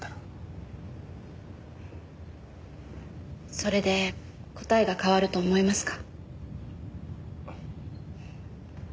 それで答えが変わると思いますか？